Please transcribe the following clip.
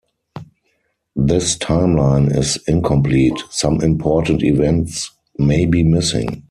This timeline is incomplete; some important events may be missing.